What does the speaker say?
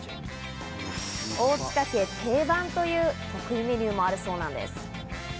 大塚家の定番という得意メニューもあるそうなんです。